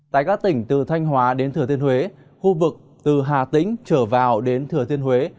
tại các tỉnh từ thanh hóa đến thừa tiên huế khu vực từ hà tĩnh trở vào đến thừa thiên huế